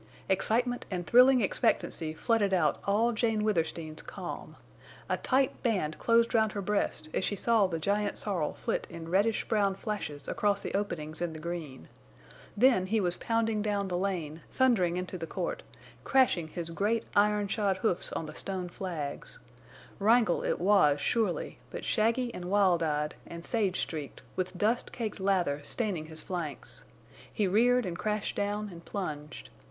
Excitement and thrilling expectancy flooded out all Jane Withersteen's calm. A tight band closed round her breast as she saw the giant sorrel flit in reddish brown flashes across the openings in the green. Then he was pounding down the lane—thundering into the court—crashing his great iron shod hoofs on the stone flags. Wrangle it was surely, but shaggy and wild eyed, and sage streaked, with dust caked lather staining his flanks. He reared and crashed down and plunged.